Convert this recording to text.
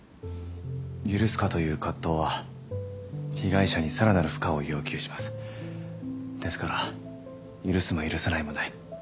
許すかという葛藤は被害者にさらなる負荷を要求しますですから許すも許さないもない